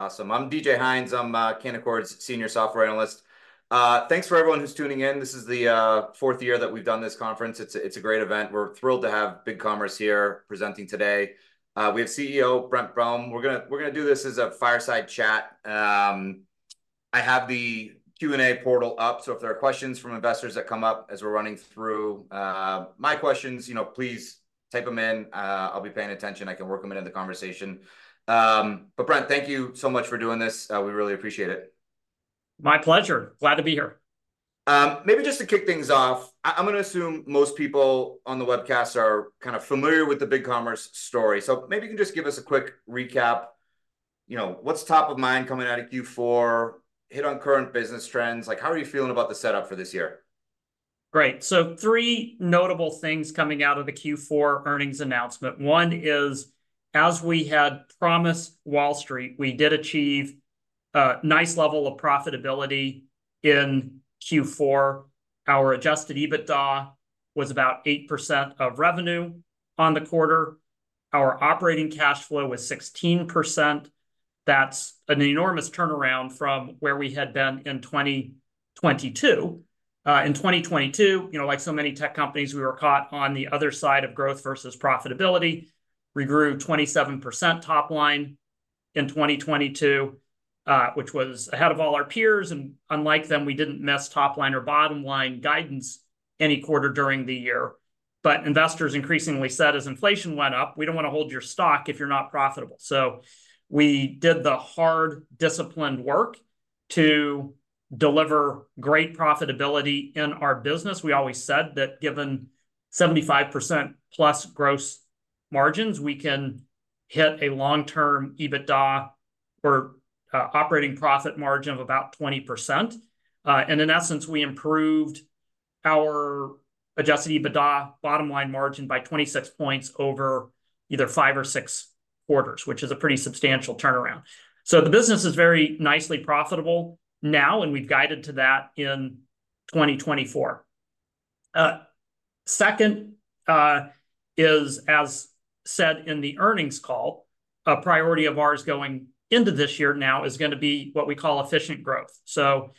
Awesome. I'm DJ Hynes. I'm Canaccord Genuity's senior software analyst. Thanks for everyone who's tuning in. This is the fourth year that we've done this conference. It's a, it's a great event. We're thrilled to have BigCommerce here presenting today. We have CEO Brent Bellm. We're gonna, we're gonna do this as a fireside chat. I have the Q&A portal up, so if there are questions from investors that come up as we're running through my questions, you know, please type them in. I'll be paying attention. I can work them into the conversation. But Brent, thank you so much for doing this. We really appreciate it. My pleasure. Glad to be here. Maybe just to kick things off, I'm gonna assume most people on the webcast are kind of familiar with the BigCommerce story. So maybe you can just give us a quick recap. You know, what's top of mind coming out of Q4? Hit on current business trends. Like, how are you feeling about the setup for this year? Great. So 3 notable things coming out of the Q4 earnings announcement. One is, as we had promised Wall Street, we did achieve a nice level of profitability in Q4. Our Adjusted EBITDA was about 8% of revenue on the quarter. Our operating cash flow was 16%. That's an enormous turnaround from where we had been in 2022. In 2022, you know, like so many tech companies, we were caught on the other side of growth versus profitability. We grew 27% top line in 2022, which was ahead of all our peers. And unlike them, we didn't miss top line or bottom line guidance any quarter during the year. But investors increasingly said, as inflation went up, "We don't want to hold your stock if you're not profitable." So we did the hard, disciplined work to deliver great profitability in our business. We always said that given 75% plus gross margins, we can hit a long-term EBITDA or operating profit margin of about 20%. And in essence, we improved our adjusted EBITDA bottom line margin by 26 points over either five or six quarters, which is a pretty substantial turnaround. So the business is very nicely profitable now, and we've guided to that in 2024. Second, as said in the earnings call, a priority of ours going into this year now is going to be what we call efficient growth. So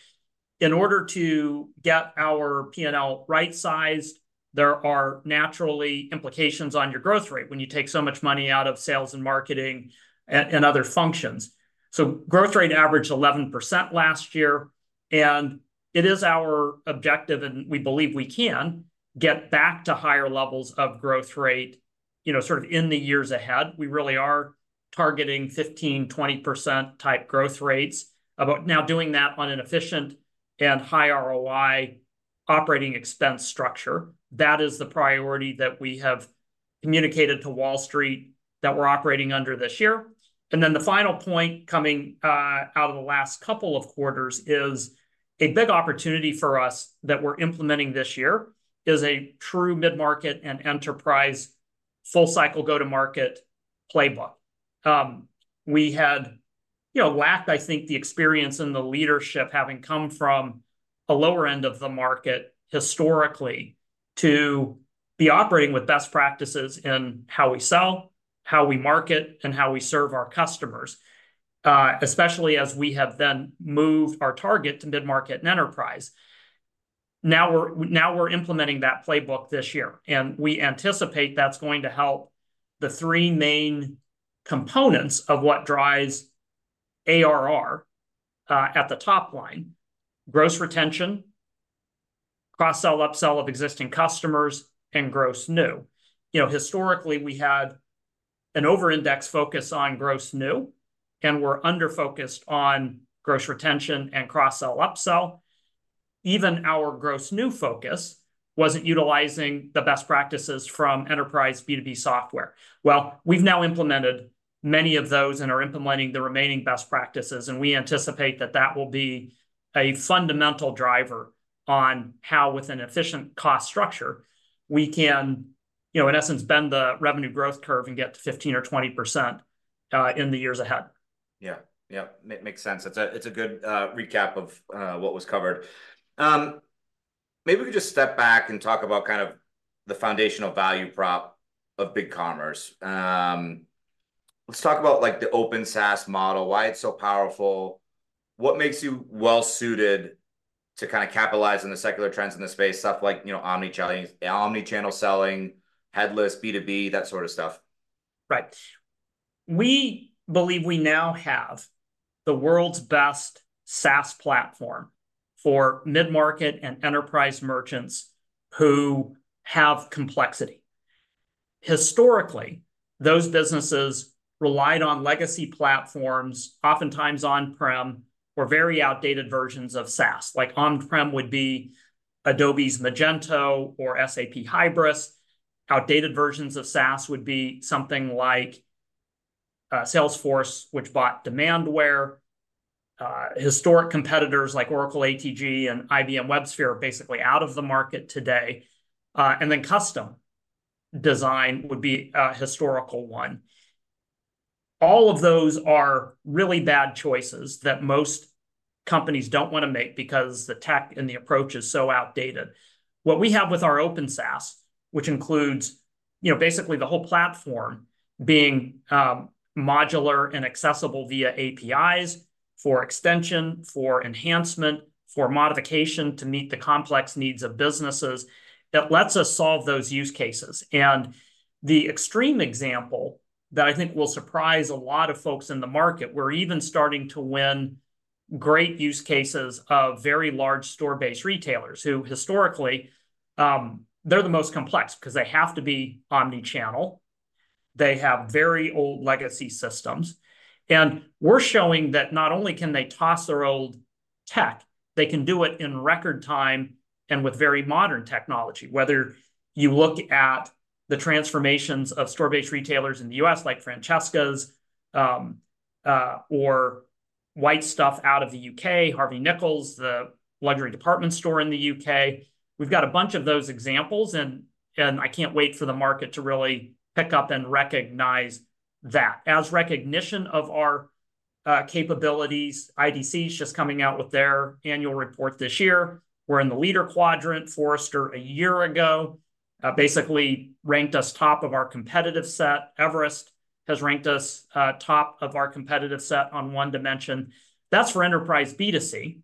in order to get our P&L right-sized, there are naturally implications on your growth rate when you take so much money out of sales and marketing and other functions. So growth rate averaged 11% last year. And it is our objective, and we believe we can get back to higher levels of growth rate, you know, sort of in the years ahead. We really are targeting 15%-20% type growth rates, about now doing that on an efficient and high ROI operating expense structure. That is the priority that we have communicated to Wall Street that we're operating under this year. And then the final point coming out of the last couple of quarters is a big opportunity for us that we're implementing this year is a true mid-market and enterprise full-cycle go-to-market playbook. We had, you know, lacked, I think, the experience and the leadership having come from a lower end of the market historically to be operating with best practices in how we sell, how we market, and how we serve our customers, especially as we have then moved our target to mid-market and enterprise. Now we're, now we're implementing that playbook this year. We anticipate that's going to help the three main components of what drives ARR, at the top line: gross retention, cross-sell upsell of existing customers, and gross new. You know, historically, we had an over-indexed focus on gross new, and we're under-focused on gross retention and cross-sell upsell. Even our gross new focus wasn't utilizing the best practices from enterprise B2B software. Well, we've now implemented many of those and are implementing the remaining best practices. We anticipate that that will be a fundamental driver on how, with an efficient cost structure, we can, you know, in essence, bend the revenue growth curve and get to 15% or 20% in the years ahead. Yeah. Yep. Makes sense. It's a good recap of what was covered. Maybe we could just step back and talk about kind of the foundational value prop of BigCommerce. Let's talk about, like, the open SaaS model, why it's so powerful, what makes you well-suited to kind of capitalize on the secular trends in the space, stuff like, you know, omnichannel, omnichannel selling, headless, B2B, that sort of stuff. Right. We believe we now have the world's best SaaS platform for mid-market and enterprise merchants who have complexity. Historically, those businesses relied on legacy platforms, oftentimes on-prem, or very outdated versions of SaaS. Like, on-prem would be Adobe's Magento or SAP Hybris. Outdated versions of SaaS would be something like, Salesforce, which bought Demandware. Historic competitors like Oracle ATG and IBM WebSphere are basically out of the market today. And then custom design would be a historical one. All of those are really bad choices that most companies don't want to make because the tech and the approach is so outdated. What we have with our open SaaS, which includes, you know, basically the whole platform being, modular and accessible via APIs for extension, for enhancement, for modification to meet the complex needs of businesses, that lets us solve those use cases. And the extreme example that I think will surprise a lot of folks in the market, we're even starting to win great use cases of very large store-based retailers who historically, they're the most complex because they have to be omnichannel. They have very old legacy systems. We're showing that not only can they toss their old tech, they can do it in record time and with very modern technology, whether you look at the transformations of store-based retailers in the U.S., like Francesca's, or White Stuff out of the U.K., Harvey Nichols, the luxury department store in the U.K. We've got a bunch of those examples, and I can't wait for the market to really pick up and recognize that. As recognition of our capabilities, IDC is just coming out with their annual report this year. We're in the leader quadrant. Forrester a year ago basically ranked us top of our competitive set. Everest has ranked us top of our competitive set on one dimension. That's for enterprise B2C.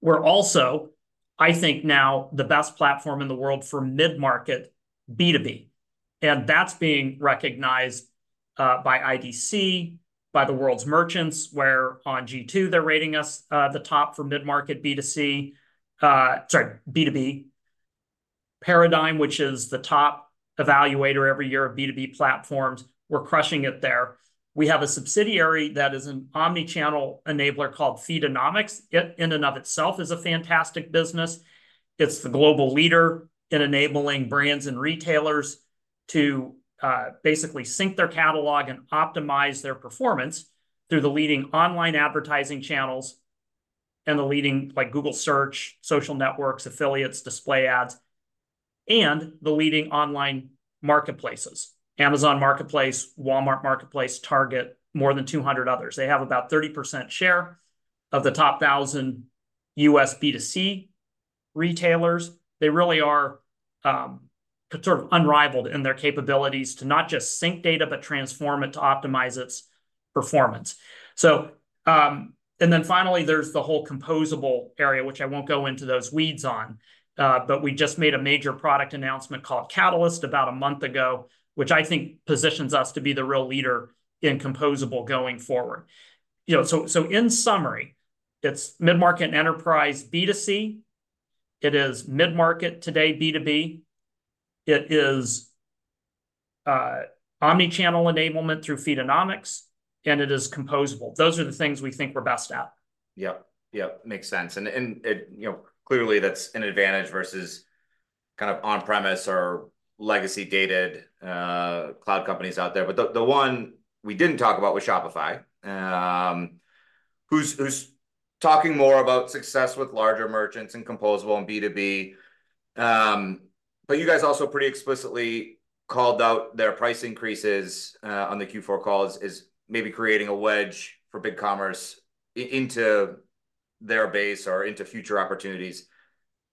We're also, I think, now the best platform in the world for mid-market B2B. And that's being recognized by IDC, by the world's merchants, where on G2 they're rating us the top for mid-market B2C. Sorry, B2B. Paradigm, which is the top evaluator every year of B2B platforms. We're crushing it there. We have a subsidiary that is an omnichannel enabler called Feedonomics. It in and of itself is a fantastic business. It's the global leader in enabling brands and retailers to basically sync their catalog and optimize their performance through the leading online advertising channels and the leading, like, Google Search, social networks, affiliates, display ads, and the leading online marketplaces: Amazon Marketplace, Walmart Marketplace, Target, more than 200 others. They have about 30% share of the top 1,000 U.S. B2C retailers. They really are, sort of unrivaled in their capabilities to not just sync data, but transform it to optimize its performance. So, and then finally, there's the whole composable area, which I won't go into those weeds on, but we just made a major product announcement called Catalyst about a month ago, which I think positions us to be the real leader in composable going forward. You know, so so in summary, it's mid-market and enterprise B2C. It is mid-market today B2B. It is, omnichannel enablement through Feedonomics. And it is composable. Those are the things we think we're best at. Yep. Yep. Makes sense. And it, you know, clearly that's an advantage versus kind of on-premise or legacy dated, cloud companies out there. But the one we didn't talk about was Shopify, who's talking more about success with larger merchants and composable and B2B. But you guys also pretty explicitly called out their price increases, on the Q4 call is maybe creating a wedge for BigCommerce into their base or into future opportunities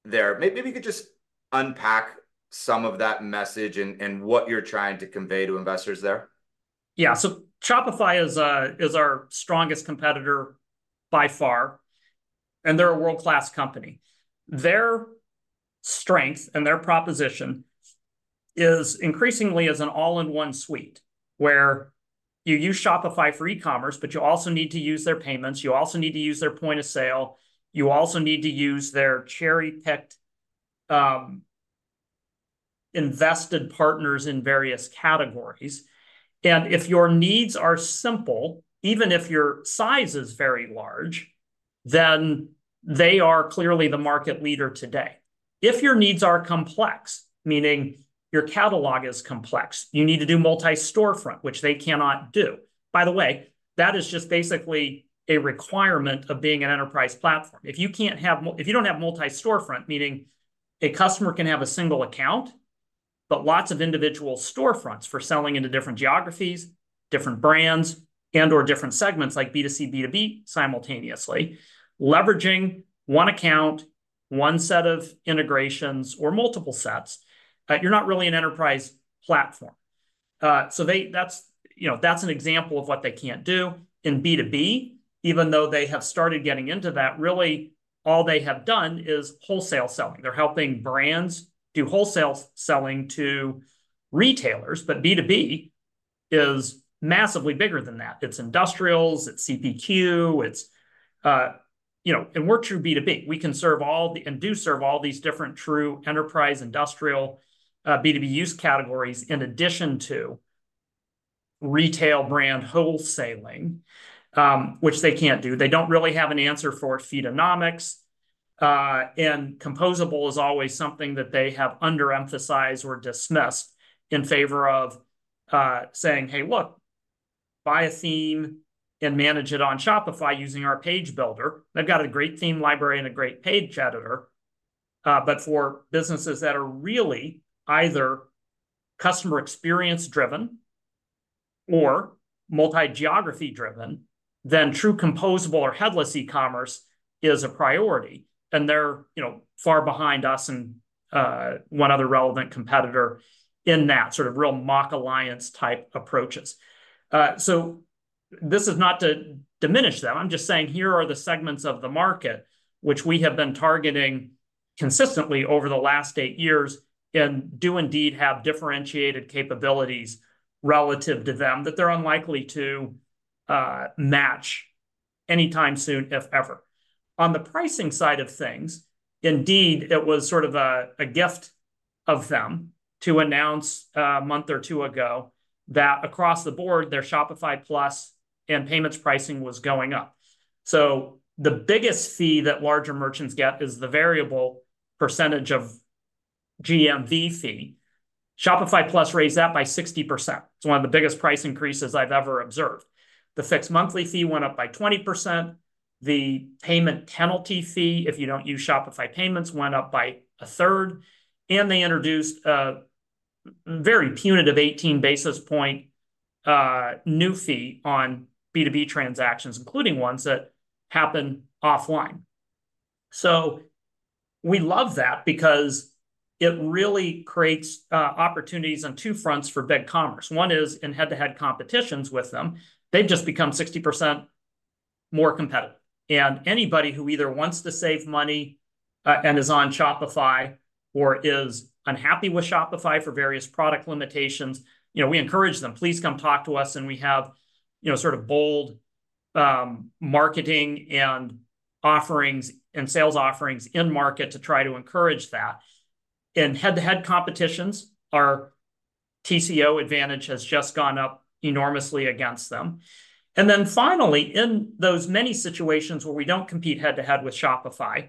there. Maybe you could just unpack some of that message and what you're trying to convey to investors there. Yeah. So Shopify is our strongest competitor by far. They're a world-class company. Their strength and their proposition is increasingly as an all-in-one suite where you use Shopify for e-commerce, but you also need to use their payments. You also need to use their point of sale. You also need to use their cherry-picked, invested partners in various categories. If your needs are simple, even if your size is very large, then they are clearly the market leader today. If your needs are complex, meaning your catalog is complex, you need to do multi-storefront, which they cannot do. By the way, that is just basically a requirement of being an enterprise platform. If you don't have multi-storefront, meaning a customer can have a single account, but lots of individual storefronts for selling into different geographies, different brands, and/or different segments like B2C, B2B simultaneously, leveraging one account, one set of integrations, or multiple sets, you're not really an enterprise platform. So that's, you know, that's an example of what they can't do. In B2B, even though they have started getting into that, really all they have done is wholesale selling. They're helping brands do wholesale selling to retailers, but B2B is massively bigger than that. It's industrials. It's CPQ. It's, you know, and we're true B2B. We can serve all the and do serve all these different true enterprise, industrial, B2B use categories in addition to retail brand wholesaling, which they can't do. They don't really have an answer for Feedonomics. Composable is always something that they have underemphasized or dismissed in favor of, saying, "Hey, look, buy a theme and manage it on Shopify using our page builder." They've got a great theme library and a great page editor. But for businesses that are really either customer experience-driven or multi-geography-driven, then true composable or headless e-commerce is a priority. And they're, you know, far behind us and, one other relevant competitor in that sort of real MACH Alliance type approaches. So this is not to diminish them. I'm just saying here are the segments of the market which we have been targeting consistently over the last eight years and do indeed have differentiated capabilities relative to them that they're unlikely to, match anytime soon, if ever. On the pricing side of things, indeed, it was sort of a gift of them to announce, a month or two ago, that across the board, their Shopify Plus and Payments pricing was going up. So the biggest fee that larger merchants get is the variable percentage of GMV fee. Shopify Plus raised that by 60%. It's one of the biggest price increases I've ever observed. The fixed monthly fee went up by 20%. The payment penalty fee, if you don't use Shopify Payments, went up by a third. And they introduced a very punitive 18 basis point new fee on B2B transactions, including ones that happen offline. So we love that because it really creates opportunities on two fronts for BigCommerce. One is in head-to-head competitions with them. They've just become 60% more competitive. Anybody who either wants to save money, and is on Shopify or is unhappy with Shopify for various product limitations, you know, we encourage them, please come talk to us. We have, you know, sort of bold marketing and offerings and sales offerings in market to try to encourage that. In head-to-head competitions, our TCO advantage has just gone up enormously against them. Then finally, in those many situations where we don't compete head-to-head with Shopify,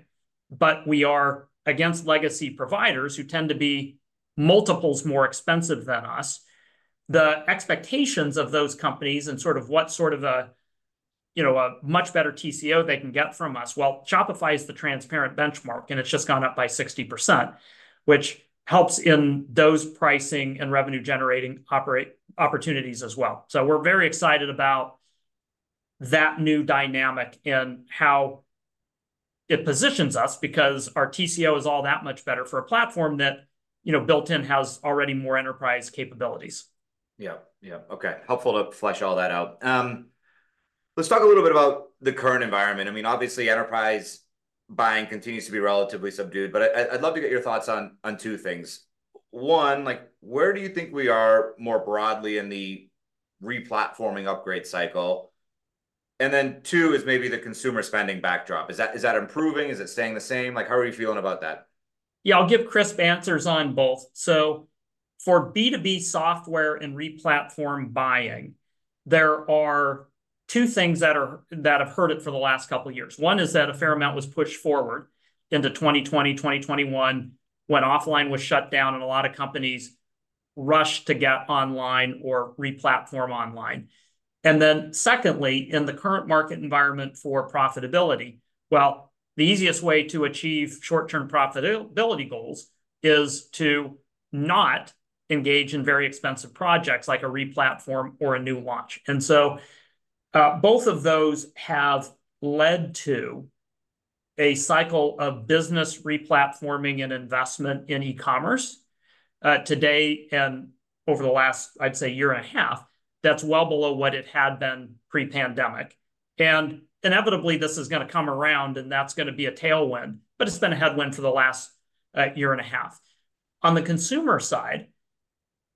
but we are against legacy providers who tend to be multiples more expensive than us, the expectations of those companies and sort of what sort of a, you know, a much better TCO they can get from us. Well, Shopify is the transparent benchmark, and it's just gone up by 60%, which helps in those pricing and revenue-generating opportunities as well. We're very excited about that new dynamic and how it positions us because our TCO is all that much better for a platform that, you know, built-in has already more enterprise capabilities. Yep. Yep. Okay. Helpful to flesh all that out. Let's talk a little bit about the current environment. I mean, obviously, enterprise buying continues to be relatively subdued, but I'd love to get your thoughts on two things. One, like, where do you think we are more broadly in the replatforming upgrade cycle? And then two is maybe the consumer spending backdrop. Is that improving? Is it staying the same? Like, how are you feeling about that? Yeah, I'll give crisp answers on both. So for B2B software and replatform buying, there are two things that have hurt it for the last couple of years. One is that a fair amount was pushed forward into 2020, 2021, when offline was shut down and a lot of companies rushed to get online or replatform online. And then secondly, in the current market environment for profitability, well, the easiest way to achieve short-term profitability goals is to not engage in very expensive projects like a replatform or a new launch. And so, both of those have led to a cycle of business replatforming and investment in e-commerce today and over the last, I'd say, year and a half, that's well below what it had been pre-pandemic. Inevitably, this is going to come around, and that's going to be a tailwind, but it's been a headwind for the last year and a half. On the consumer side,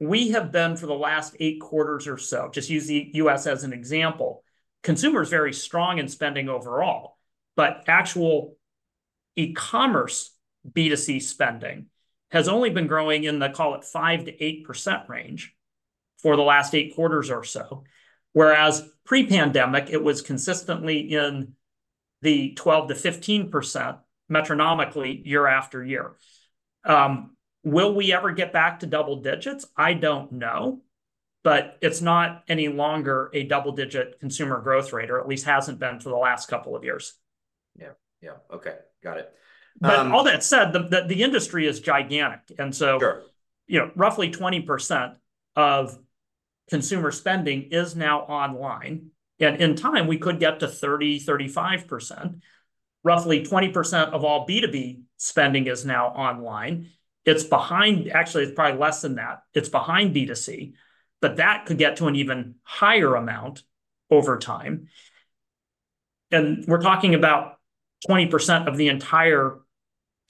we have been for the last 8 quarters or so, just use the U.S. as an example, consumer is very strong in spending overall, but actual e-commerce B2C spending has only been growing in the, call it, 5%-8% range for the last 8 quarters or so, whereas pre-pandemic, it was consistently in the 12%-15% metronomically year after year. Will we ever get back to double digits? I don't know. But it's not any longer a double-digit consumer growth rate, or at least hasn't been for the last couple of years. Yep. Yep. Okay. Got it. But all that said, the industry is gigantic. And so, you know, roughly 20% of consumer spending is now online. And in time, we could get to 30%-35%. Roughly 20% of all B2B spending is now online. It's behind. Actually, it's probably less than that. It's behind B2C. But that could get to an even higher amount over time. And we're talking about 20% of the entire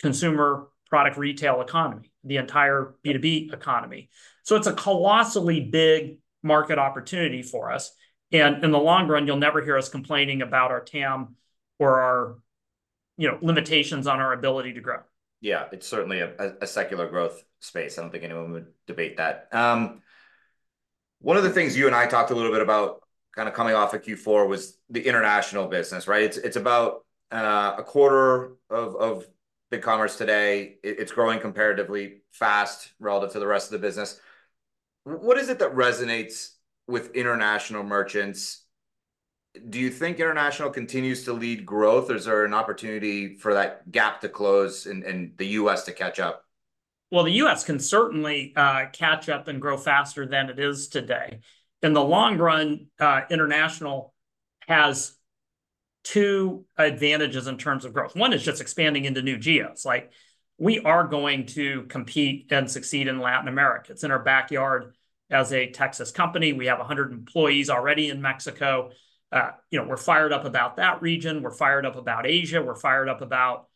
consumer product retail economy, the entire B2B economy. So it's a colossally big market opportunity for us. And in the long run, you'll never hear us complaining about our TAM or our, you know, limitations on our ability to grow. Yeah. It's certainly a secular growth space. I don't think anyone would debate that. One of the things you and I talked a little bit about kind of coming off of Q4 was the international business, right? It's about a quarter of BigCommerce today. It's growing comparatively fast relative to the rest of the business. What is it that resonates with international merchants? Do you think international continues to lead growth? Is there an opportunity for that gap to close and the U.S. to catch up? Well, the U.S. can certainly catch up and grow faster than it is today. In the long run, international has two advantages in terms of growth. One is just expanding into new geos. Like, we are going to compete and succeed in Latin America. It's in our backyard as a Texas company. We have 100 employees already in Mexico. You know, we're fired up about that region. We're fired up about Asia. We're fired up about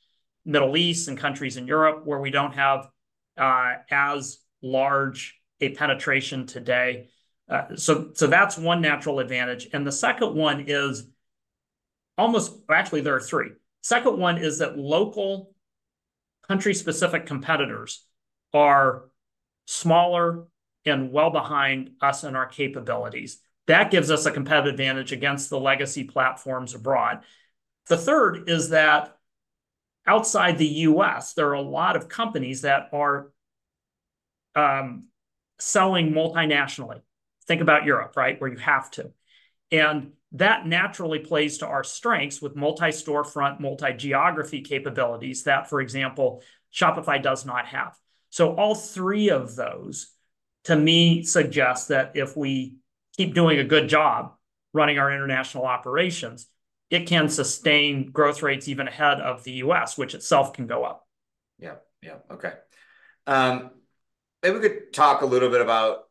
Middle East and countries in Europe where we don't have as large a penetration today. So that's one natural advantage. And the second one is almost actually, there are three. Second one is that local country-specific competitors are smaller and well behind us in our capabilities. That gives us a competitive advantage against the legacy platforms abroad. The third is that outside the U.S., there are a lot of companies that are selling multinationally. Think about Europe, right, where you have to. That naturally plays to our strengths with multi-storefront, multi-geography capabilities that, for example, Shopify does not have. All three of those, to me, suggest that if we keep doing a good job running our international operations, it can sustain growth rates even ahead of the U.S., which itself can go up. Yep. Yep. Okay. Maybe we could talk a little bit about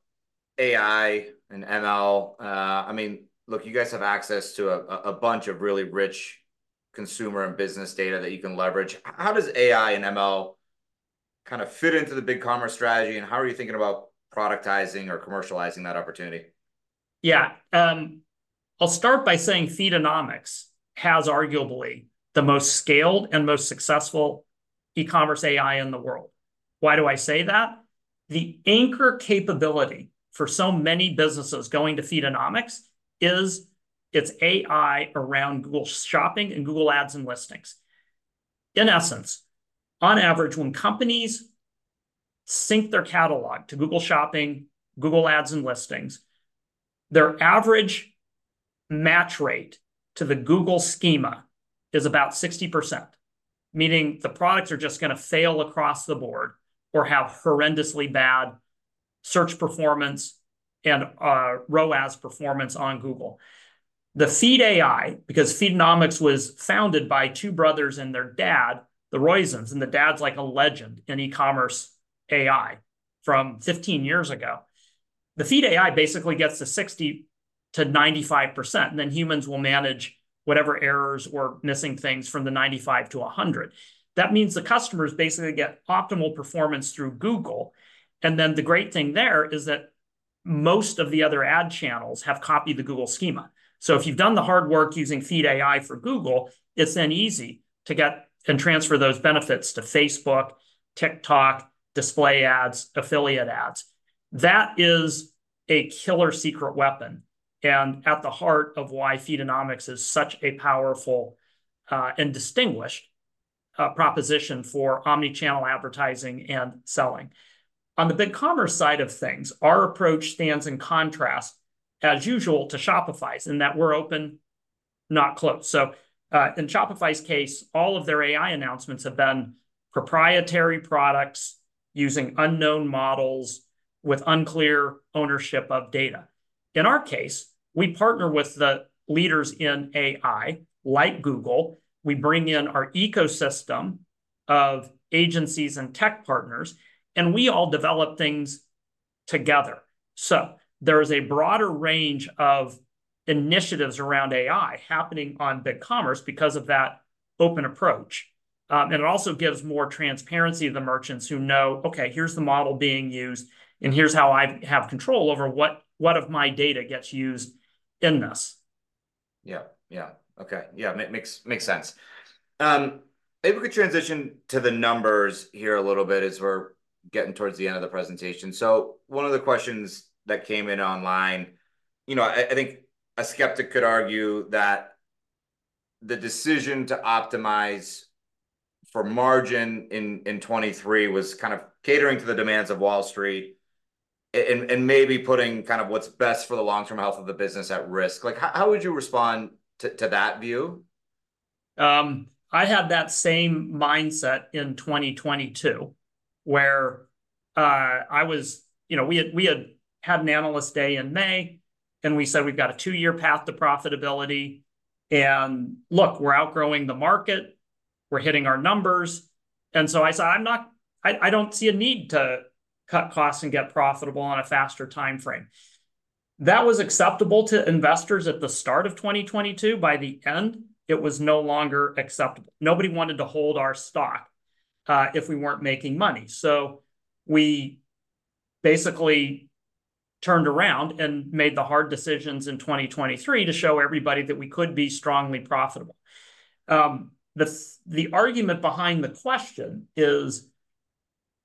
AI and ML. I mean, look, you guys have access to a bunch of really rich consumer and business data that you can leverage. How does AI and ML kind of fit into the BigCommerce strategy, and how are you thinking about productizing or commercializing that opportunity? Yeah. I'll start by saying Feedonomics has arguably the most scaled and most successful e-commerce AI in the world. Why do I say that? The anchor capability for so many businesses going to Feedonomics is its AI around Google Shopping and Google Ads and Listings. In essence, on average, when companies sync their catalog to Google Shopping, Google Ads, and listings, their average match rate to the Google schema is about 60%, meaning the products are just going to fail across the board or have horrendously bad search performance and ROAS performance on Google. The Feed AI, because Feedonomics was founded by two brothers and their dad, the Roizens, and the dad's like a legend in e-commerce AI from 15 years ago. The Feed AI basically gets to 60%-95%, and then humans will manage whatever errors or missing things from the 95%-100%. That means the customers basically get optimal performance through Google. And then the great thing there is that most of the other ad channels have copied the Google schema. So if you've done the hard work using feed AI for Google, it's then easy to get and transfer those benefits to Facebook, TikTok, display ads, affiliate ads. That is a killer secret weapon. And at the heart of why Feedonomics is such a powerful, and distinguished, proposition for omnichannel advertising and selling. On the BigCommerce side of things, our approach stands in contrast, as usual, to Shopify's in that we're open, not closed. So, in Shopify's case, all of their AI announcements have been proprietary products using unknown models with unclear ownership of data. In our case, we partner with the leaders in AI, like Google. We bring in our ecosystem of agencies and tech partners, and we all develop things together. So there is a broader range of initiatives around AI happening on BigCommerce because of that open approach. And it also gives more transparency to the merchants who know, okay, here's the model being used, and here's how I have control over what what of my data gets used in this. Yep. Yeah. Okay. Yeah. Makes sense. Maybe we could transition to the numbers here a little bit as we're getting towards the end of the presentation. So one of the questions that came in online, you know, I think a skeptic could argue that the decision to optimize for margin in 2023 was kind of catering to the demands of Wall Street and maybe putting kind of what's best for the long-term health of the business at risk. Like, how would you respond to that view? I had that same mindset in 2022 where I was, you know, we had had an analyst day in May, and we said, we've got a two-year path to profitability. And look, we're outgrowing the market. We're hitting our numbers. And so I said, I don't see a need to cut costs and get profitable on a faster timeframe. That was acceptable to investors at the start of 2022. By the end, it was no longer acceptable. Nobody wanted to hold our stock if we weren't making money. So we basically turned around and made the hard decisions in 2023 to show everybody that we could be strongly profitable. The argument behind the question is,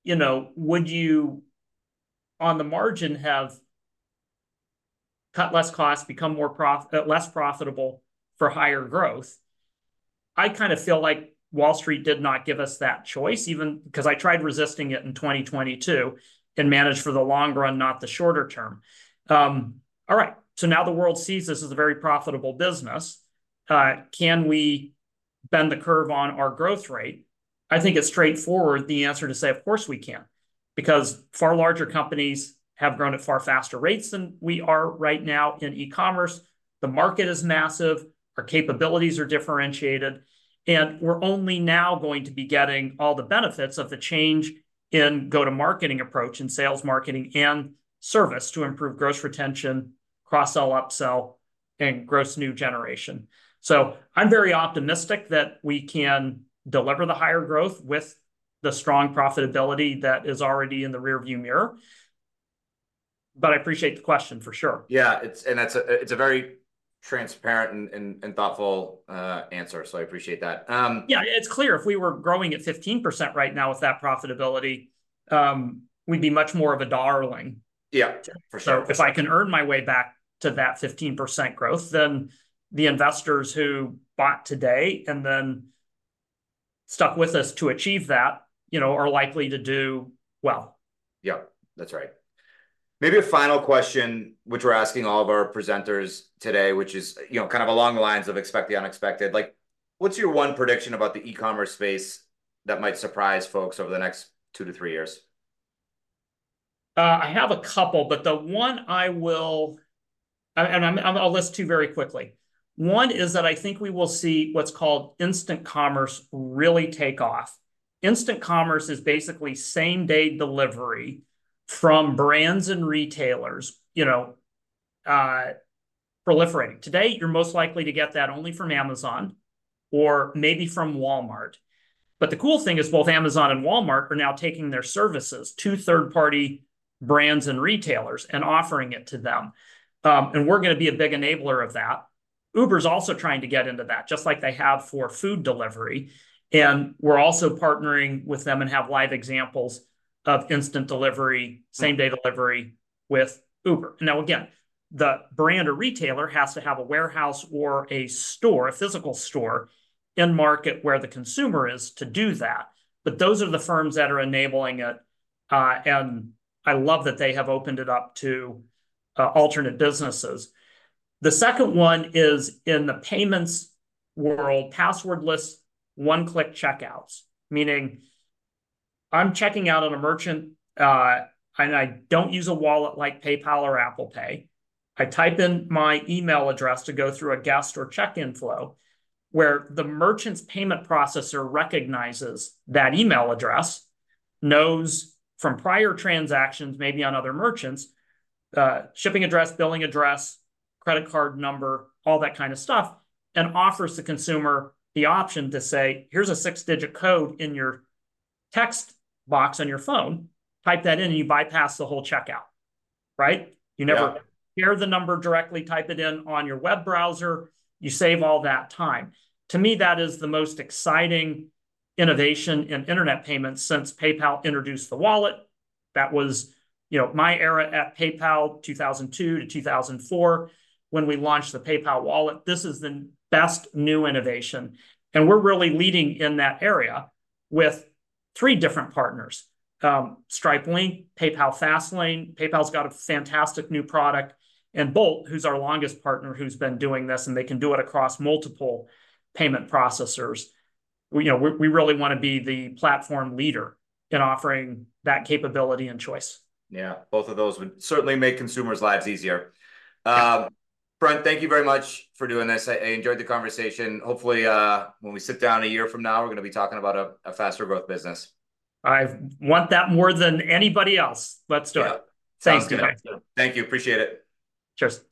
you know, would you, on the margin, have cut less costs, become more profitable, less profitable for higher growth? I kind of feel like Wall Street did not give us that choice, even because I tried resisting it in 2022 and managed for the long run, not the shorter term. All right. So now the world sees this as a very profitable business. Can we bend the curve on our growth rate? I think it's straightforward, the answer, to say, of course, we can. Because far larger companies have grown at far faster rates than we are right now in e-commerce. The market is massive. Our capabilities are differentiated. And we're only now going to be getting all the benefits of the change in go-to-marketing approach and sales marketing and service to improve gross retention, cross-sell upsell, and gross new generation. So I'm very optimistic that we can deliver the higher growth with the strong profitability that is already in the rearview mirror. I appreciate the question, for sure. Yeah. It's, and that's a very transparent and thoughtful answer. So I appreciate that. Yeah. It's clear. If we were growing at 15% right now with that profitability, we'd be much more of a darling. Yeah. For sure. If I can earn my way back to that 15% growth, then the investors who bought today and then stuck with us to achieve that, you know, are likely to do well. Yep. That's right. Maybe a final question, which we're asking all of our presenters today, which is, you know, kind of along the lines of expect the unexpected. Like, what's your one prediction about the e-commerce space that might surprise folks over the next 2-3 years? I have a couple, but the one I will, and I'll list two very quickly. One is that I think we will see what's called instant commerce really take off. Instant commerce is basically same-day delivery from brands and retailers, you know, proliferating. Today, you're most likely to get that only from Amazon or maybe from Walmart. But the cool thing is both Amazon and Walmart are now taking their services to third-party brands and retailers, and offering it to them, and we're going to be a big enabler of that. Uber's also trying to get into that, just like they have for food delivery. And we're also partnering with them and have live examples of instant delivery, same-day delivery with Uber. Now, again, the brand or retailer has to have a warehouse or a store, a physical store in market where the consumer is to do that. But those are the firms that are enabling it. And I love that they have opened it up to alternate businesses. The second one is in the payments world, passwordless one-click checkouts, meaning I'm checking out on a merchant, and I don't use a wallet like PayPal or Apple Pay. I type in my email address to go through a guest or check-in flow where the merchant's payment processor recognizes that email address, knows from prior transactions, maybe on other merchants, shipping address, billing address, credit card number, all that kind of stuff, and offers the consumer the option to say, here's a six-digit code in your text box on your phone. Type that in and you bypass the whole checkout, right? You never share the number directly. Type it in on your web browser. You save all that time. To me, that is the most exciting innovation in internet payments since PayPal introduced the wallet. That was, you know, my era at PayPal, 2002 to 2004, when we launched the PayPal wallet. This is the best new innovation. And we're really leading in that area with three different partners, Stripe Link, PayPal Fastlane. PayPal's got a fantastic new product, and Bolt, who's our longest partner, who's been doing this, and they can do it across multiple payment processors. You know, we really want to be the platform leader in offering that capability and choice. Yeah. Both of those would certainly make consumers' lives easier. Brent, thank you very much for doing this. I enjoyed the conversation. Hopefully, when we sit down a year from now, we're going to be talking about a faster growth business. I want that more than anybody else. Let's do it. Thank you, guys. Thank you. Appreciate it. Cheers.